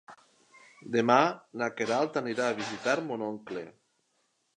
Demà na Queralt anirà a visitar mon oncle.